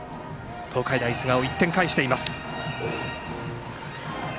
東海大菅生、１点返しています。